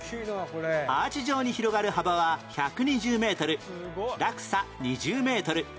アーチ状に広がる幅は１２０メートル落差２０メートル